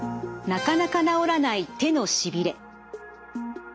なかなか治らない手のしびれ。